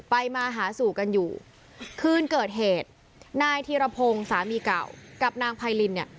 มาหาสู่กันอยู่คืนเกิดเหตุนายธีรพงศ์สามีเก่ากับนางไพรินเนี่ย